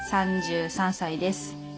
３３歳です。